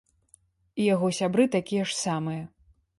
І яго сябры такія ж самыя.